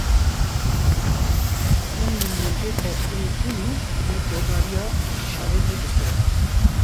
Em li mêrga qesirê bûn û me guhdariya îşaretê dikir.